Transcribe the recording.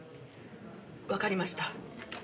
わかりました。